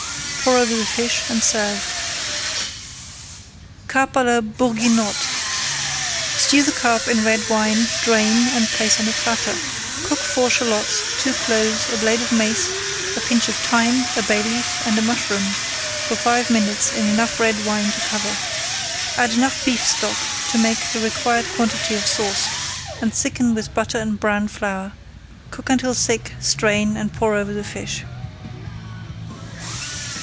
Pour over the fish and serve. CARP À LA BOURGUINOTTE Stew the carp in red wine, drain, and place on a platter. Cook four shallots, two cloves, a blade of mace, a pinch of thyme, a bay leaf, and a mushroom for five minutes in enough red wine to cover. Add enough beef stock to make the required quantity of sauce, and thicken with butter and browned flour. Cook until thick, strain, and pour over the fish.